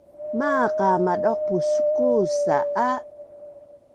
Maaq a madauqpus kuusa a